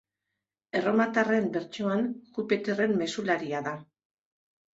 Erromatarren bertsioan, Jupiterren mezularia da.